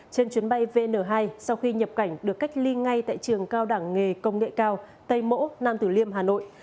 trên chuyến bay vn hai sau khi nhập cảnh được cách ly ngay tại trường cao đẳng nghề công nghệ cao tây mỗ nam tử liêm hà nội